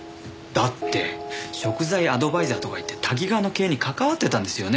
だって食材アドバイザーとかいってタキガワの経営に関わってたんですよね？